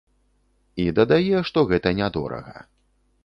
І дадае, што гэта нядорага.